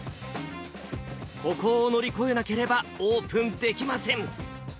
ここを乗り越えなければ、オープンできません。